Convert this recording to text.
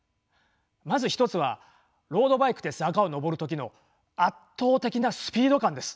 まず一つはロードバイクで坂を上る時の圧倒的なスピード感です。